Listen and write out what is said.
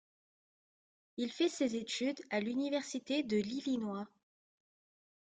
Il fait ses études à l'Université de l'Illinois.